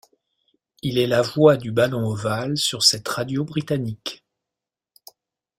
Il est la voix du ballon ovale sur cette radio britannique.